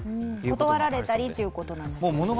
断られたりということなんですか？